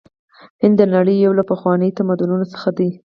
هند د نړۍ یو له پخوانیو تمدنونو څخه دی.